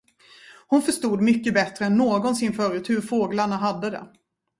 Hon förstod mycket bättre än någonsin förut hur fåglarna hade det.